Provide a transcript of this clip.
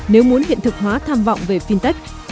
nếu muốn hiện thực hóa tham vọng về fintech